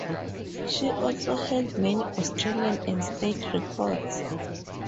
She also held many Australian and State records.